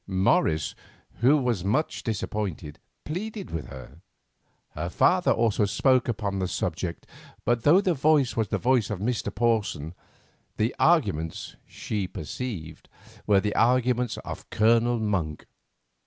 Morris, who was much disappointed, pleaded with her. Her father also spoke upon the subject, but though the voice was the voice of Mr. Porson, the arguments, she perceived, were the arguments of Colonel Monk.